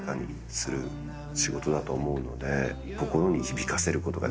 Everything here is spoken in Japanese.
仕事だと思うので。